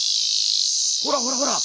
ほらほらほら！